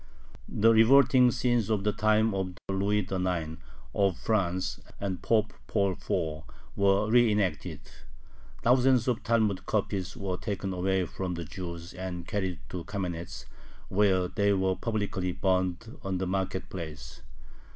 The revolting scenes of the time of Louis IX., of France, and Pope Paul IV. were re enacted. Thousands of Talmud copies were taken away from the Jews and carried to Kamenetz, where they were publicly burned on the market place.